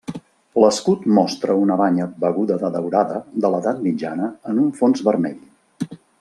L'escut mostra una banya beguda de daurada de l'Edat Mitjana en un fons vermell.